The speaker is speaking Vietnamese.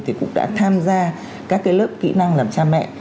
thì cũng đã tham gia các cái lớp kỹ năng làm cha mẹ